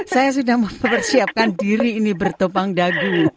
saya sudah mempersiapkan diri ini bertopang dagu